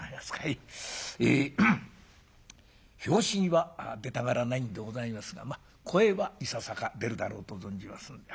拍子木は出たがらないんでございますがまあ声はいささか出るだろうと存じます。